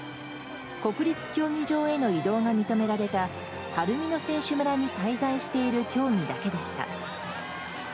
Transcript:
国立競技場への移動が認められた晴海の選手村に滞在している競技だけでした。